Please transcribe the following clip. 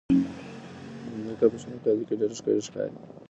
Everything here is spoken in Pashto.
مځکه په شنه کالي کې ډېره ښکلې ښکاري.